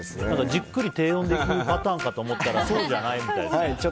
じっくり低温でいくパターンかと思ったらそうじゃないみたい。